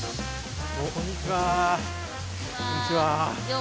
こんにちは。